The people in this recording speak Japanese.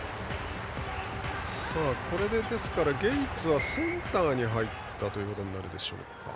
これでゲイツはセンターに入ったことになるでしょうか。